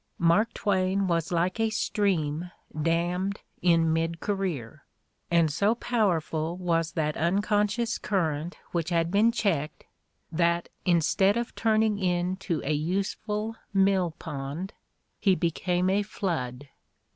Mark Twain was like a stream dammed in mid career; and so powerful was that unconscious current which had been checked that instead of turning into a useful mill pond he became a flood.